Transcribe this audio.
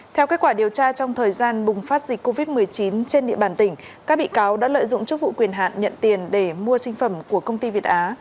theo kết quả điều tra trong thời gian bùng phát dịch covid một mươi chín trên địa bàn tỉnh các bị cáo đã lợi dụng chức vụ quyền hạn nhận tiền để mua sinh phẩm của công ty việt á